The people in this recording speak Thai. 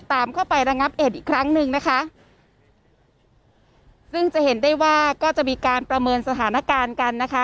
ตามเข้าไประงับเหตุอีกครั้งหนึ่งนะคะซึ่งจะเห็นได้ว่าก็จะมีการประเมินสถานการณ์กันนะคะ